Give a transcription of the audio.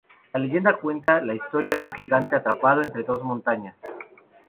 La leyenda cuenta la historia de un gigante atrapado entre dos montañas.